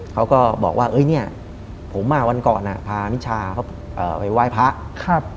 เขาก็บอกว่าเอ้ยเนี่ยผมอ่ะวันก่อนพานิชาเขาไปไหว้พระครับ